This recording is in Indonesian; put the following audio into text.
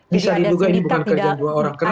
bisa diduga ini bukan kerjaan dua orang